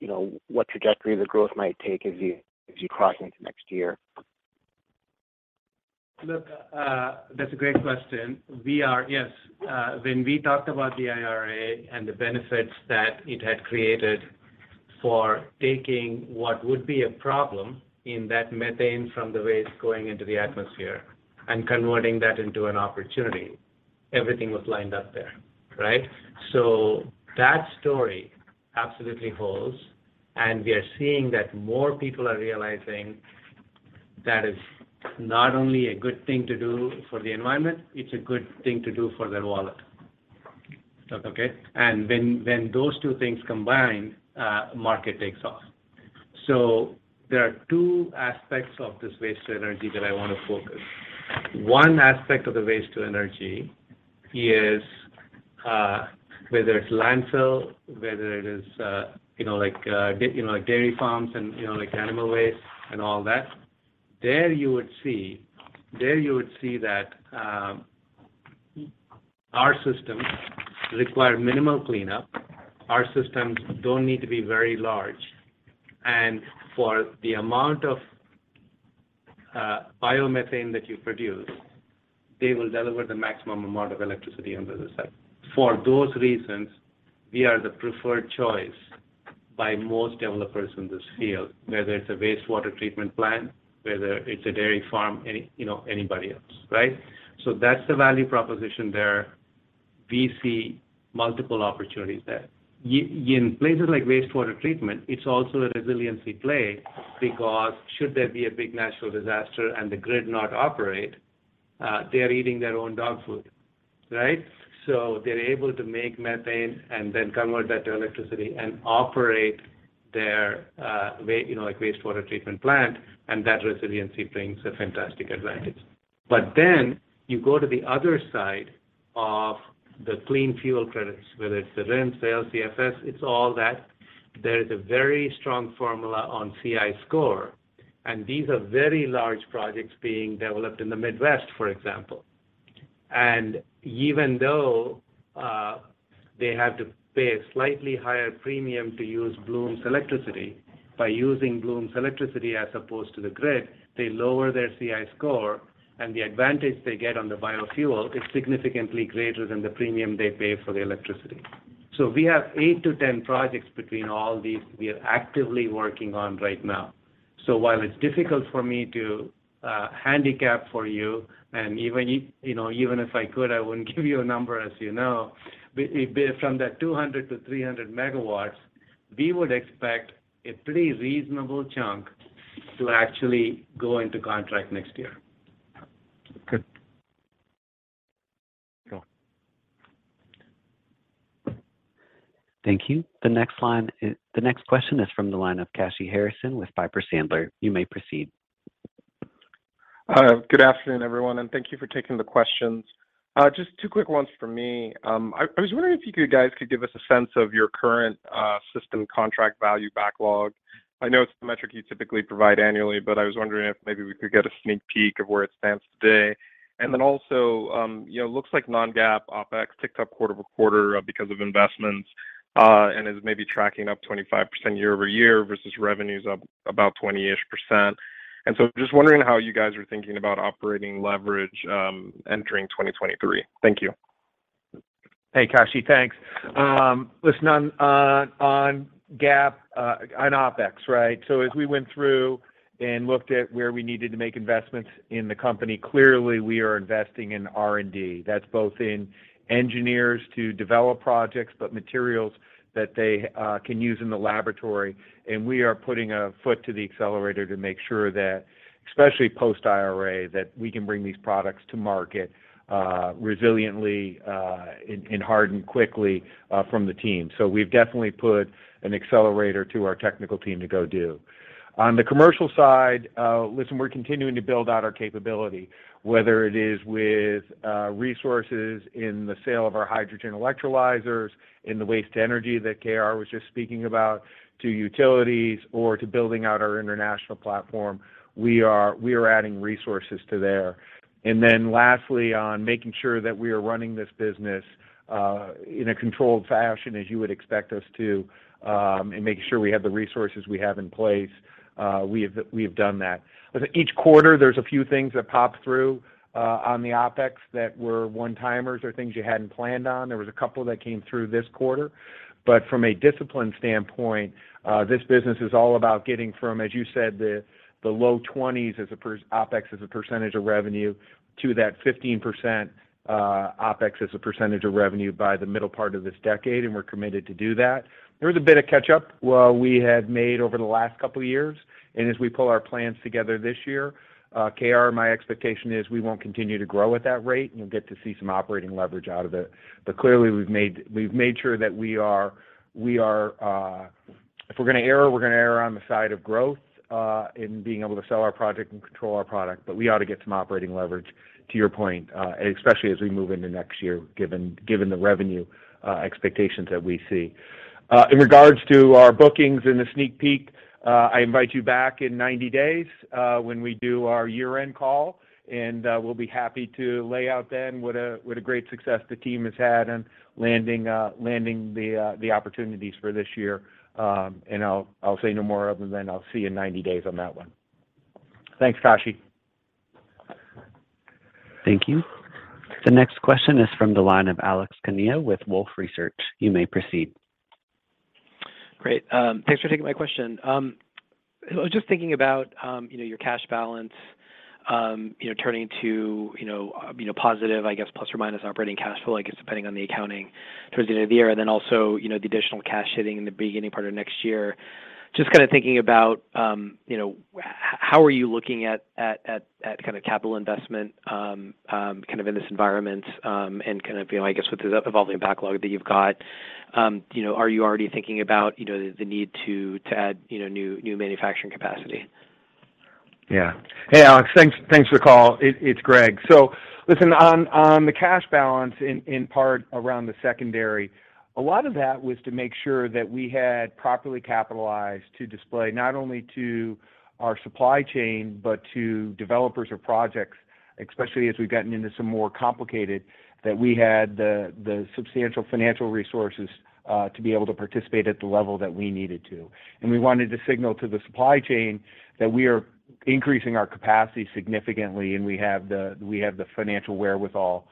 you know, what trajectory the growth might take as you cross into next year? Look, that's a great question. Yes, when we talked about the IRA and the benefits that it had created for taking what would be a problem in that methane from the waste going into the atmosphere and converting that into an opportunity, everything was lined up there, right? That story absolutely holds, and we are seeing that more people are realizing that is not only a good thing to do for the environment, it's a good thing to do for their wallet. Sound okay? When those two things combine, market takes off. There are two aspects of this waste to energy that I wanna focus. One aspect of the waste to energy is, whether it's landfill, whether it is, you know, like, you know, like dairy farms and, you know, like animal waste and all that. There you would see that our systems require minimal cleanup. Our systems don't need to be very large. For the amount of biomethane that you produce, they will deliver the maximum amount of electricity on the other side. For those reasons, we are the preferred choice by most developers in this field, whether it's a wastewater treatment plant, whether it's a dairy farm, any, you know, anybody else, right? That's the value proposition there. We see multiple opportunities there. In places like wastewater treatment, it's also a resiliency play because should there be a big natural disaster and the grid not operate, they are eating their own dog food, right? They're able to make methane and then convert that to electricity and operate their, you know, like wastewater treatment plant, and that resiliency brings a fantastic advantage. You go to the other side of the clean fuel credits, whether it's RINs, D-RINs, LCFS, it's all that. There's a very strong formula on CI score, and these are very large projects being developed in the Midwest, for example. Even though they have to pay a slightly higher premium to use Bloom's electricity, by using Bloom's electricity as opposed to the grid, they lower their CI score, and the advantage they get on the biofuel is significantly greater than the premium they pay for the electricity. We have 8-10 projects between all these we are actively working on right now. While it's difficult for me to handicap for you, and even you know, even if I could, I wouldn't give you a number as you know. From that 200-300 megawatts, we would expect a pretty reasonable chunk to actually go into contract next year. Good. Cool. Thank you. The next question is from the line of Kashy Harrison with Piper Sandler. You may proceed. Good afternoon, everyone, and thank you for taking the questions. Just two quick ones for me. I was wondering if you guys could give us a sense of your current system contract value backlog. I know it's the metric you typically provide annually, but I was wondering if maybe we could get a sneak peek of where it stands today. You know, looks like non-GAAP OpEx ticked up quarter-over-quarter because of investments and is maybe tracking up 25% year-over-year versus revenues up about 20%. Just wondering how you guys are thinking about operating leverage entering 2023. Thank you. Hey, Kashy. Thanks. Listen on GAAP, on OpEx, right? As we went through and looked at where we needed to make investments in the company, clearly we are investing in R&D. That's both in engineers to develop projects, but materials that they can use in the laboratory. We are putting a foot to the accelerator to make sure that, especially post IRA, that we can bring these products to market resiliently and hardened quickly from the team. We've definitely put an accelerator to our technical team to go do. On the commercial side, listen, we're continuing to build out our capability, whether it is with resources in the sale of our hydrogen electrolyzers, in the waste to energy that K.R. was just speaking about, to utilities or to building out our international platform, we are adding resources to there. Lastly, on making sure that we are running this business in a controlled fashion, as you would expect us to, and making sure we have the resources we have in place, we have done that. I think each quarter there's a few things that pop through on the OpEx that were one-timers or things you hadn't planned on. There was a couple that came through this quarter. From a discipline standpoint, this business is all about getting from, as you said, the low 20s OpEx as a percentage of revenue to that 15% OpEx as a percentage of revenue by the middle part of this decade, and we're committed to do that. There was a bit of catch-up we had made over the last couple of years, and as we pull our plans together this year, K.R., my expectation is we won't continue to grow at that rate, and you'll get to see some operating leverage out of it. Clearly we've made sure that we are, if we're gonna err, we're gonna err on the side of growth, in being able to sell our product and control our product. We ought to get some operating leverage, to your point, especially as we move into next year, given the revenue expectations that we see. In regards to our bookings and the sneak peek, I invite you back in 90 days, when we do our year-end call, and we'll be happy to lay out then what a great success the team has had in landing the opportunities for this year. I'll say no more other than I'll see you in 90 days on that one. Thanks, Kashy. Thank you. The next question is from the line of Alex Kania with Wolfe Research. You may proceed. Great. Thanks for taking my question. I was just thinking about, you know, your cash balance, you know, turning to, you know, positive, I guess, plus or minus operating cash flow, I guess, depending on the accounting towards the end of the year. Then also, you know, the additional cash hitting in the beginning part of next year. Just kind of thinking about, you know, how are you looking at capital investment, kind of in this environment, and kind of, you know, I guess with the evolving backlog that you've got, you know, are you already thinking about, you know, the need to add, you know, new manufacturing capacity? Yeah. Hey, Alex. Thanks for the call. It's Greg. Listen, on the cash balance in part around the secondary, a lot of that was to make sure that we had properly capitalized to display not only to our supply chain, but to developers or projects, especially as we've gotten into some more complicated that we had the substantial financial resources to be able to participate at the level that we needed to. We wanted to signal to the supply chain that we are increasing our capacity significantly, and we have the financial wherewithal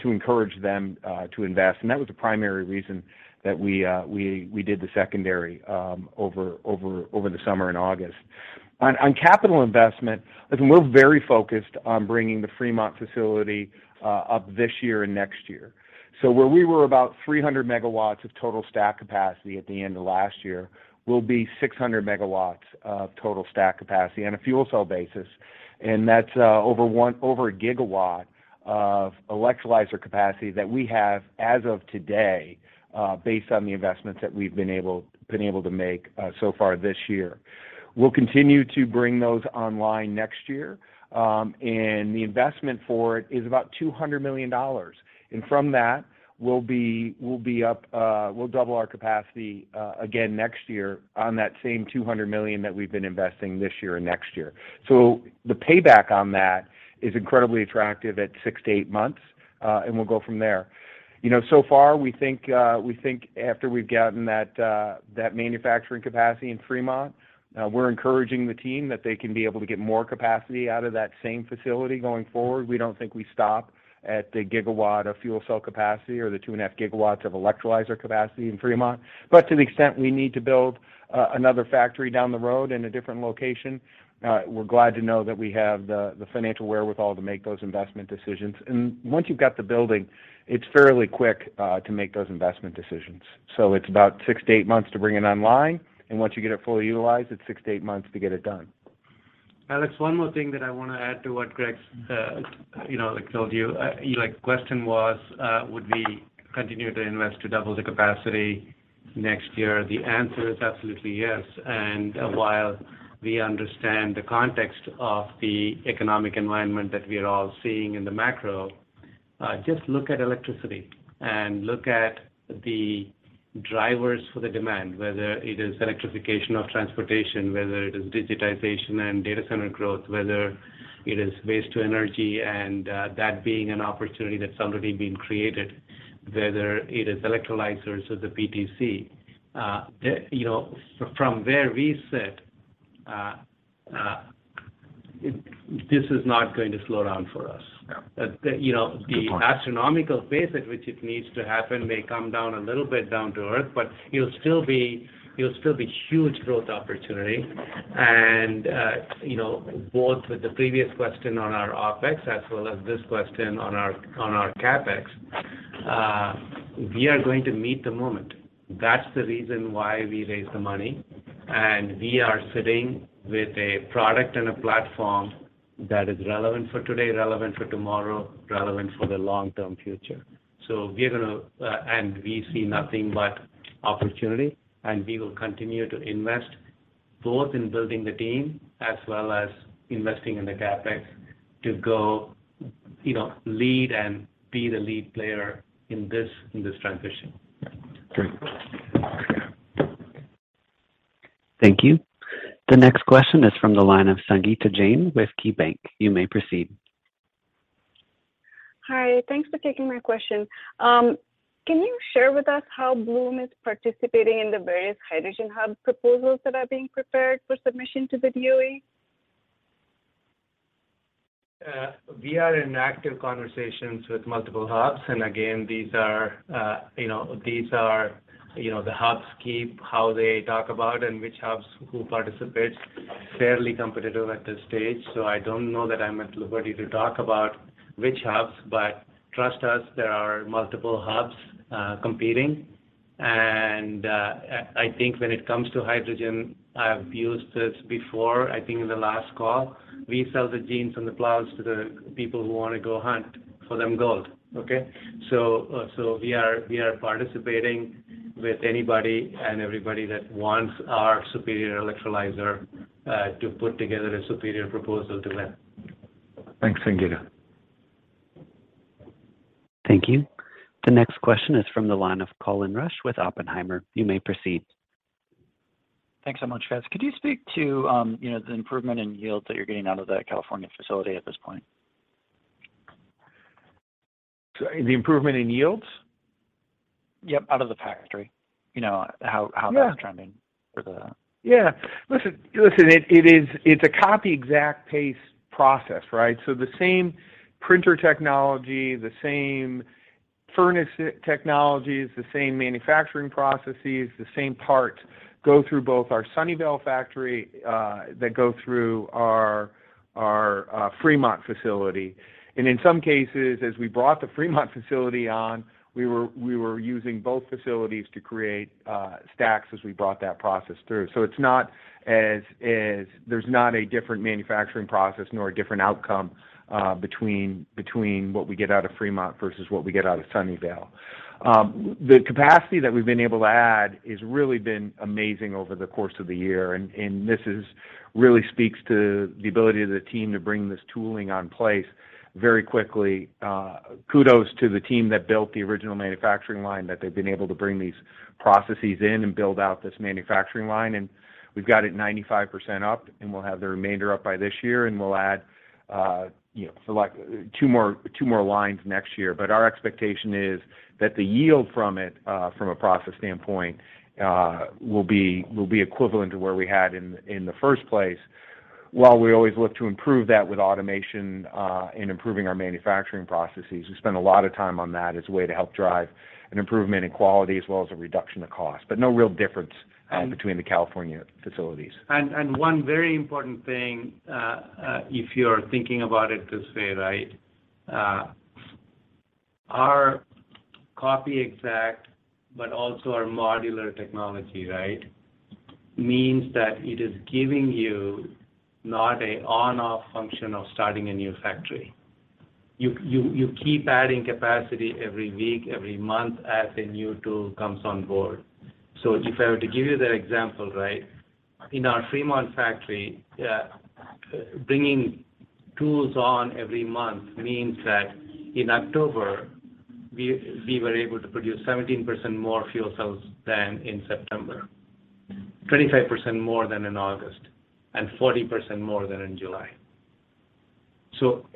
to encourage them to invest. That was the primary reason that we did the secondary over the summer in August. On capital investment, we're very focused on bringing the Fremont facility up this year and next year. Where we were about 300 MW of total stack capacity at the end of last year, we'll be 600 MW of total stack capacity on a fuel cell basis. That's over 1 GW of electrolyzer capacity that we have as of today, based on the investments that we've been able to make so far this year. We'll continue to bring those online next year, and the investment for it is about $200 million. From that, we'll double our capacity again next year on that same $200 million that we've been investing this year and next year. The payback on that is incredibly attractive at 6-8 months, and we'll go from there. You know, so far we think after we've gotten that manufacturing capacity in Fremont, we're encouraging the team that they can be able to get more capacity out of that same facility going forward. We don't think we stop at 1 gigawatt of fuel cell capacity or 2.5 gigawatts of electrolyzer capacity in Fremont. But to the extent we need to build another factory down the road in a different location, we're glad to know that we have the financial wherewithal to make those investment decisions. Once you've got the building, it's fairly quick to make those investment decisions. It's about 6-8 months to bring it online, and once you get it fully utilized, it's 6-8 months to get it done. Alex, one more thing that I want to add to what Greg's, you know, like, told you. Your, like, question was, would we continue to invest to double the capacity next year? The answer is absolutely yes. While we understand the context of the economic environment that we are all seeing in the macro, just look at electricity and look at the drivers for the demand, whether it is electrification of transportation, whether it is digitization and data center growth, whether it is waste to energy, and, that being an opportunity that's already been created, whether it is electrolyzers or the PTC. You know, from where we sit, this is not going to slow down for us. No. The, the. Good point. The astronomical pace at which it needs to happen may come down a little bit down to earth, but it'll still be huge growth opportunity. You know, both with the previous question on our OpEx as well as this question on our CapEx, we are going to meet the moment. That's the reason why we raised the money, and we are sitting with a product and a platform that is relevant for today, relevant for tomorrow, relevant for the long-term future. We're gonna, and we see nothing but opportunity, and we will continue to invest both in building the team as well as investing in the CapEx to go, you know, lead and be the lead player in this transition. Yeah. Great. Thank you. The next question is from the line of Sangita Jain with KeyBanc. You may proceed. Hi. Thanks for taking my question. Can you share with us how Bloom is participating in the various hydrogen hub proposals that are being prepared for submission to the DOE? We are in active conversations with multiple hubs, and again, these are, you know, the hubs keep how they talk about and which hubs, who participates, fairly competitive at this stage, so I don't know that I'm at liberty to talk about which hubs, but trust us, there are multiple hubs, competing. I think when it comes to hydrogen, I've used this before, I think in the last call, we sell the jeans and the plows to the people who wanna go hunt for the gold, okay. We are participating with anybody and everybody that wants our superior electrolyzer, to put together a superior proposal to win. Thanks, Sangita. Thank you. The next question is from the line of Colin Rusch with Oppenheimer. You may proceed. Thanks so much, guys. Could you speak to, you know, the improvement in yield that you're getting out of that California facility at this point? The improvement in yields? Yep, out of the factory. You know, how that's- Yeah Trending for the. Yeah. Listen, it is, it's a copy, exact paste process, right? The same printer technology, the same furnace technologies, the same manufacturing processes, the same parts go through both our Sunnyvale factory, they go through our Fremont facility. In some cases, as we brought the Fremont facility on, we were using both facilities to create stacks as we brought that process through. There's not a different manufacturing process nor a different outcome between what we get out of Fremont versus what we get out of Sunnyvale. The capacity that we've been able to add has really been amazing over the course of the year, and this really speaks to the ability of the team to bring this tooling online very quickly. Kudos to the team that built the original manufacturing line, that they've been able to bring these processes in and build out this manufacturing line. We've got it 95% up, and we'll have the remainder up by this year, and we'll add, you know, so like two more lines next year. Our expectation is that the yield from it, from a process standpoint, will be equivalent to where we had in the first place. While we always look to improve that with automation, in improving our manufacturing processes, we spend a lot of time on that as a way to help drive an improvement in quality as well as a reduction of cost. No real difference. And Between the California facilities. One very important thing, if you're thinking about it this way, right, our copy exact, but also our modular technology, right. Means that it is giving you not an on/off function of starting a new factory. You keep adding capacity every week, every month as a new tool comes on board. If I were to give you that example, right, in our Fremont factory, bringing tools on every month means that in October, we were able to produce 17% more fuel cells than in September, 25% more than in August, and 40% more than in July.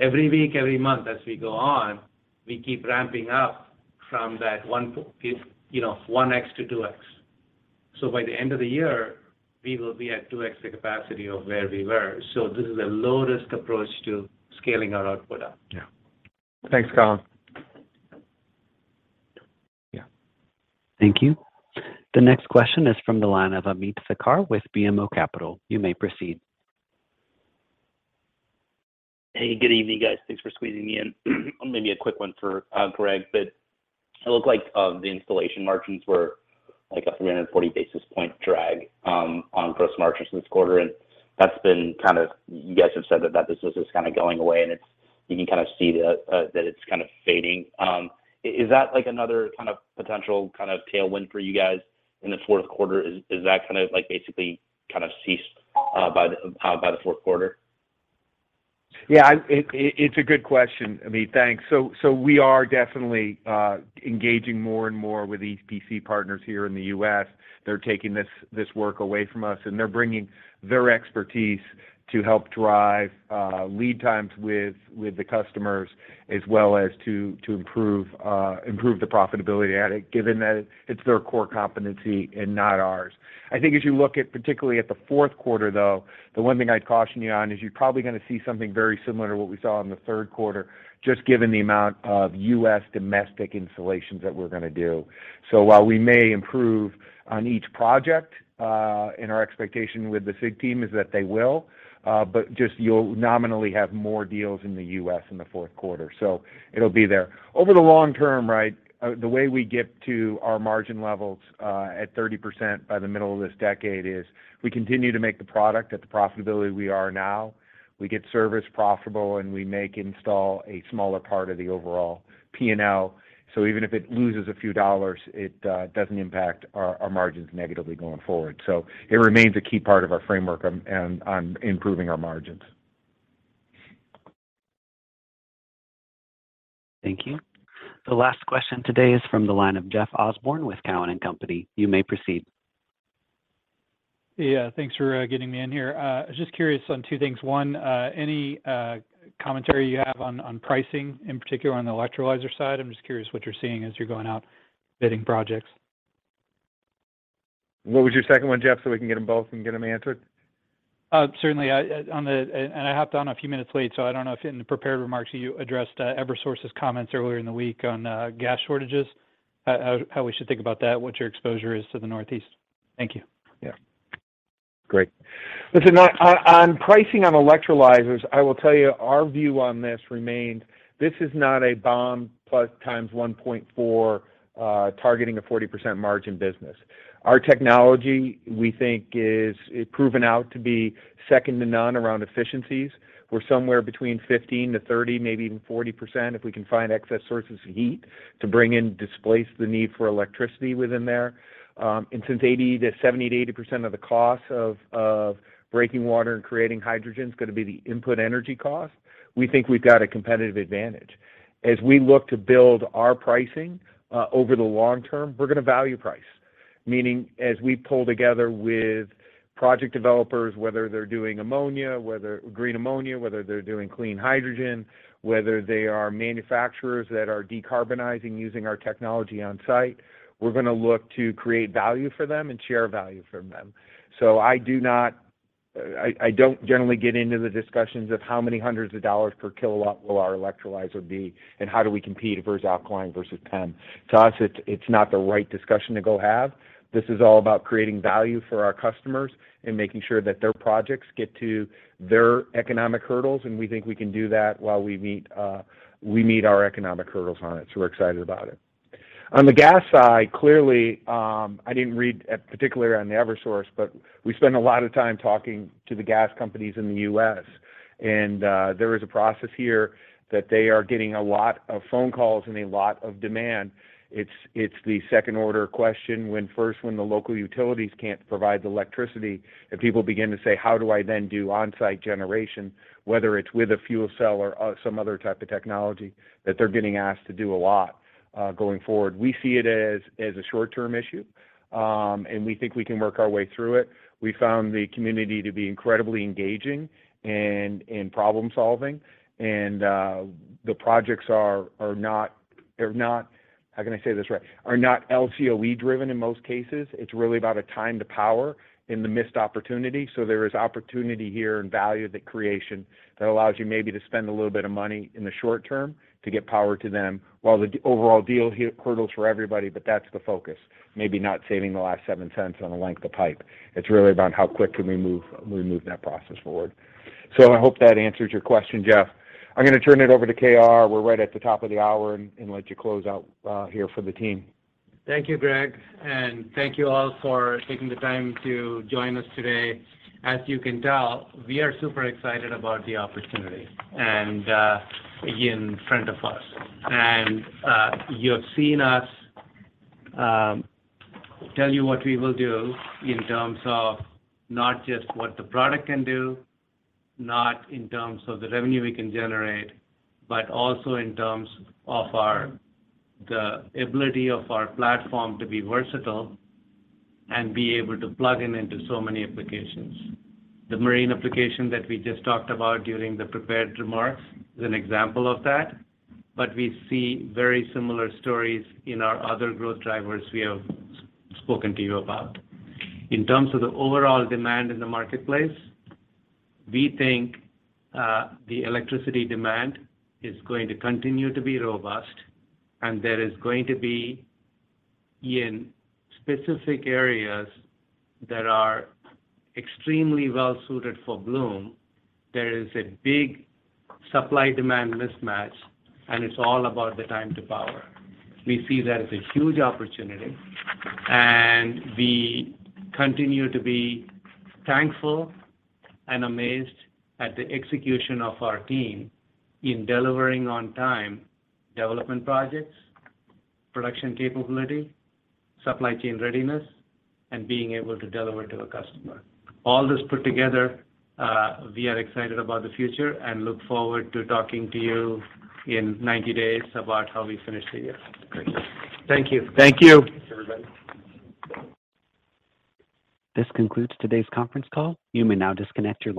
Every week, every month as we go on, we keep ramping up from that one, you know, 1x to 2x.By the end of the year, we will be at 2x the capacity of where we were. This is a low risk approach to scaling our output up. Yeah. Thanks, Colin. Yeah. Thank you. The next question is from the line of Ameet Thakkar with BMO Capital Markets. You may proceed. Hey. Good evening, guys. Thanks for squeezing me in. Maybe a quick one for Greg, but it looked like the installation margins were like a 340 basis point drag on gross margins this quarter, and that's been kind of you guys have said that business is kind of going away, and you can kind of see that it's kind of fading. Is that like another kind of potential kind of tailwind for you guys in the Q4? Is that kind of like basically kind of ceased by the Q4? Yeah, it's a good question, Ameet. Thanks. We are definitely engaging more and more with EPC partners here in the US. They're taking this work away from us, and they're bringing their expertise to help drive lead times with the customers as well as to improve the profitability of it, given that it's their core competency and not ours. I think as you look at, particularly at the Q4, though, the one thing I'd caution you on is you're probably gonna see something very similar to what we saw in the Q3, just given the amount of US domestic installations that we're gonna do. While we may improve on each project, and our expectation with the SIG team is that they will, but just you'll nominally have more deals in the U.S. in the Q4. It'll be there. Over the long term, right, the way we get to our margin levels at 30% by the middle of this decade is we continue to make the product at the profitability we are now. We get service profitable, and we make install a smaller part of the overall P&L. Even if it loses a few dollars, it doesn't impact our margins negatively going forward. It remains a key part of our framework on improving our margins. Thank you. The last question today is from the line of Jeff Osborne with Cowen & Company. You may proceed. Yeah. Thanks for getting me in here. I was just curious on two things. One, any commentary you have on pricing, in particular on the electrolyzer side. I'm just curious what you're seeing as you're going out bidding projects. What was your second one, Jeff, so we can get them both and get them answered? Certainly. I hopped on a few minutes late, so I don't know if in the prepared remarks you addressed Eversource's comments earlier in the week on gas shortages, how we should think about that, what your exposure is to the Northeast. Thank you. Yeah. Great. Listen, on pricing on electrolyzers, I will tell you our view on this remains this is not a BOM plus times 1.4, targeting a 40% margin business. Our technology, we think is proven out to be second to none around efficiencies. We're somewhere between 15%-30%, maybe even 40% if we can find excess sources of heat to bring in displace the need for electricity within there. And since 70%-80% of the cost of breaking water and creating hydrogen is gonna be the input energy cost, we think we've got a competitive advantage. As we look to build our pricing over the long term, we're gonna value price. Meaning, as we pull together with project developers, whether they're doing ammonia, whether green ammonia, whether they're doing clean hydrogen, whether they are manufacturers that are decarbonizing using our technology on site, we're gonna look to create value for them and share value from them. I don't generally get into the discussions of how many hundreds of dollars per kilowatt will our electrolyzer be and how do we compete versus alkaline versus PEM. To us, it's not the right discussion to go have. This is all about creating value for our customers and making sure that their projects get to their economic hurdles, and we think we can do that while we meet our economic hurdles on it. We're excited about it. On the gas side, clearly, I didn't read particularly on Eversource, but we spend a lot of time talking to the gas companies in the U.S. There is a process here that they are getting a lot of phone calls and a lot of demand. It's the second-order question when the local utilities can't provide the electricity and people begin to say, "How do I then do on-site generation, whether it's with a fuel cell or some other type of technology?" That they're getting asked to do a lot, going forward. We see it as a short-term issue, and we think we can work our way through it. We found the community to be incredibly engaging and problem-solving. The projects are not LCOE-driven in most cases. It's really about a time to power in the missed opportunity. There is opportunity here and value creation that allows you maybe to spend a little bit of money in the short term to get power to them while the overall deal hurdles for everybody, but that's the focus. Maybe not saving the last seven cents on the length of pipe. It's really about how quick can we move that process forward. I hope that answers your question, Jeff. I'm gonna turn it over to K.R. We're right at the top of the hour and let you close out here for the team. Thank you, Greg. Thank you all for taking the time to join us today. As you can tell, we are super excited about the opportunity and, again, friend of ours. You have seen us tell you what we will do in terms of not just what the product can do, not in terms of the revenue we can generate, but also in terms of the ability of our platform to be versatile and be able to plug into so many applications. The marine application that we just talked about during the prepared remarks is an example of that, but we see very similar stories in our other growth drivers we have spoken to you about. In terms of the overall demand in the marketplace, we think the electricity demand is going to continue to be robust, and there is going to be in specific areas that are extremely well suited for Bloom. There is a big supply-demand mismatch, and it's all about the time to power. We see that as a huge opportunity, and we continue to be thankful and amazed at the execution of our team in delivering on time development projects, production capability, supply chain readiness, and being able to deliver to the customer. All this put together, we are excited about the future and look forward to talking to you in 90 days about how we finish the year. Thank you. Thank you. Thanks, everybody. This concludes today's conference call. You may now disconnect your line.